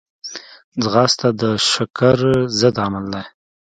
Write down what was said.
ځغاسته د شکر ضد عمل دی